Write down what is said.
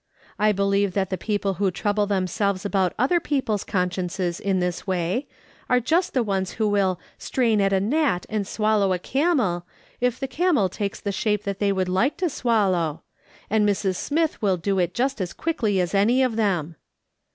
I believe that the people who trouble themselves about other people's consciences in this way are just the ones who will ' strain at a gnat and swallow a camel,' if the camel takes the shape that they would like to swallow ; and Mrs. Smith will do it as quickly as any of them."